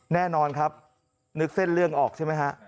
แน่นอนครับนึกเส้นเรื่องออกใช่ไหมฮะ